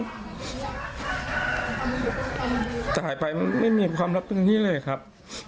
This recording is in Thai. จ่ายไปไม่มีความลับตรงนี้เลยครับ